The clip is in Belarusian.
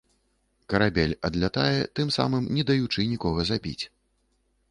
Карабель адлятае, тым самым не даючы нікога забіць.